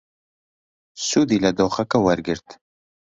سوودی لە دۆخەکە وەرگرت.